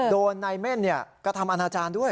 โดนนายเม่นกระทำอาณาจารย์ด้วย